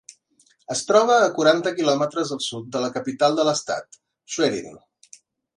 Es troba a quaranta quilòmetres al sud de la capital de l'estat, Schwerin.